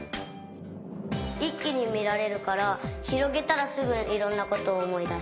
いっきにみられるからひろげたらすぐいろんなことをおもいだせる。